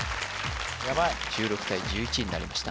ヤバい１６対１１になりました